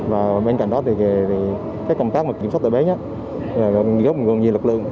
và bên cạnh đó thì công tác kiểm soát tội bến góp gồm nhiều lực lượng